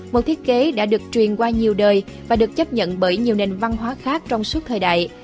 một thiết kế đã được truyền qua nhiều đời và được chấp nhận bởi nhiều nền văn hóa khác trong suốt thời đại